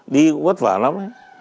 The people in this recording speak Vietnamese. đi cũng vất vả lắm